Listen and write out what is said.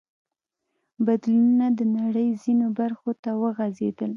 بدلونونه د نړۍ ځینو برخو ته وغځېدل.